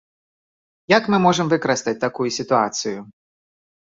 Як мы можам выкарыстаць такую сітуацыю?